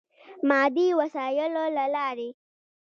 مادي وسایلو له لارې.